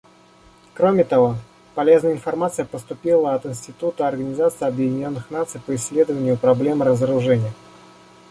Кроме того, полезная информация поступила от Института Организации Объединенных Наций по исследованию проблем разоружения.